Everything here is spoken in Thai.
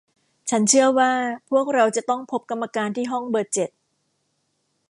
ฉันเชื่อว่าพวกเราจะต้องพบกรรมการที่ห้องเบอร์เจ็ด